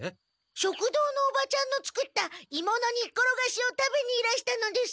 食堂のおばちゃんの作ったいものにっころがしを食べにいらしたのです。